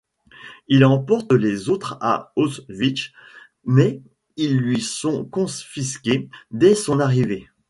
Il emporte les autres à Auschwitz mais ils lui sont confisqués dès son arrivée.